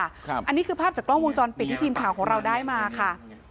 อันนี้คือภาพจากกล้องวงจรปิดที่ทีมข่าวของเราได้มาค่ะ